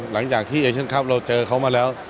หลังจากที่เอเชียนคลับเราเจอเขามาแล้ว